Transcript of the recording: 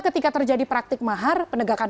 ketika terjadi praktik mahar penegakan